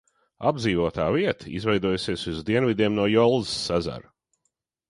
Apdzīvotā vieta izvietojusies uz dienvidiem no Jolzas ezera.